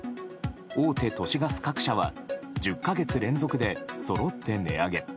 大手都市ガス各社は１０か月連続でそろって値上げ。